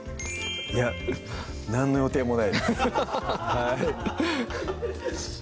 いや何の予定もないです